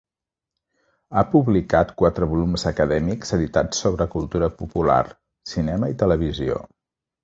Ha publicat quatre volums acadèmics editats sobre cultura popular, cinema i televisió.